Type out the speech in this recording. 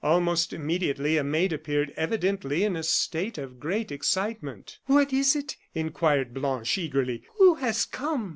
Almost immediately a maid appeared, evidently in a state of great excitement. "What is it?" inquired Blanche, eagerly. "Who has come?"